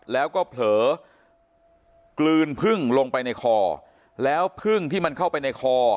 แล้วก็เผลอกลืนพึ่งลงไปในคอแล้วพึ่งที่มันเข้าไปในคอ